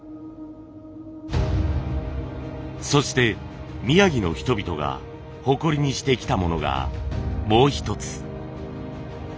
そして宮城の人々が誇りにしてきたものがもう一つ。